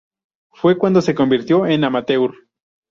Fue cuando se convirtió en Amateur.